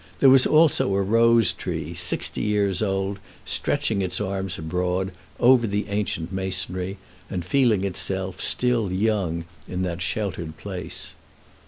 There was also a rose tree sixty years old stretching its arms abroad, over the ancient masonry, and feeling itself still young in that sheltered place.